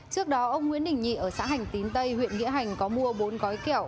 trước đó ông nguyễn đình nhị ở xã hành tín tây huyện nghĩa hành có mua bốn gói kẹo